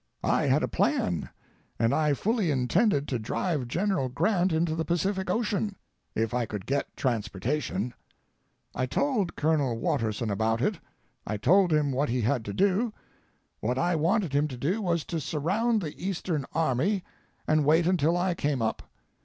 I had a plan, and I fully intended to drive General Grant into the Pacific Ocean—if I could get transportation. I told Colonel Watterson about it. I told him what he had to do. What I wanted him to do was to surround the Eastern army and wait until I came up.